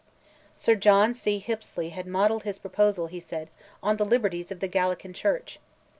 Sir John C. Hippesley had modelled his proposal, he said, on the liberties of the Gallican Church.